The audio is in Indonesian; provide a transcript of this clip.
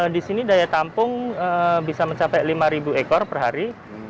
di sini daya tampung bisa mencapai lima ekor per hari